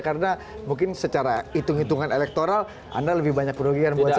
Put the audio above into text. karena mungkin secara hitung hitungan elektoral anda lebih banyak kerugian buat saya